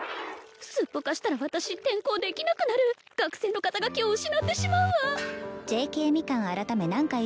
すっぽかしたら私転校できなくなる学生の肩書を失ってしまうわな